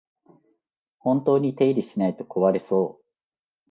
本当に手入れしないと壊れそう